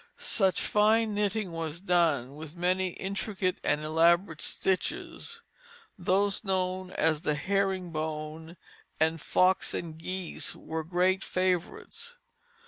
Much fine knitting was done, with many intricate and elaborate stitches; those known as the "herring bone" and "fox and geese" were great favorites.